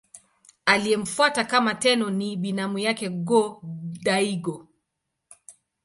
Aliyemfuata kama Tenno ni binamu yake Go-Daigo.